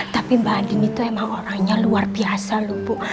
tapi mbak adim itu emang orangnya luar biasa loh bu